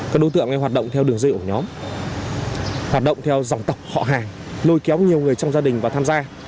các đối tượng hoạt động theo đường dây ổ nhóm hoạt động theo dòng tộc họ hàng lôi kéo nhiều người trong gia đình và tham gia